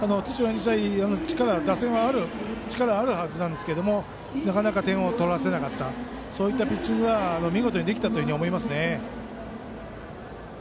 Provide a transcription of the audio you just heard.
日大の打線は力があるはずなんですがなかなか点を取らせなかったピッチングが見事にできたと思います。